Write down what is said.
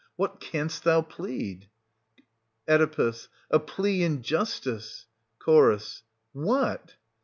What canst thou plead? — Oe. — a plea in justice..., Ch. What.?...